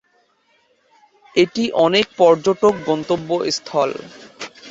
এটি অনেক পর্যটক গন্তব্যস্থল।